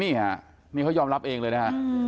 นี่ฮะนี่เขายอมรับเองเลยนะฮะ